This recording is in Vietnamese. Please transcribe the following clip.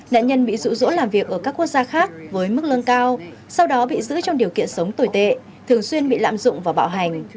nạn nhân bị rụ rỗ làm việc ở các quốc gia khác với mức lương cao sau đó bị giữ trong điều kiện sống tồi tệ thường xuyên bị lạm dụng và bạo hành